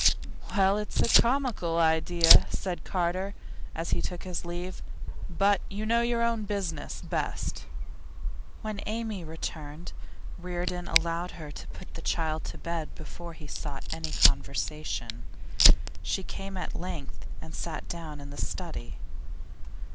'Well, it's a comical idea,' said Carter, as he took his leave, 'but you know your own business best.' When Amy returned, Reardon allowed her to put the child to bed before he sought any conversation. She came at length and sat down in the study.